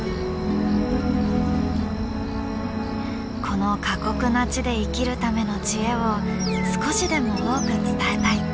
この過酷な地で生きるための知恵を少しでも多く伝えたい。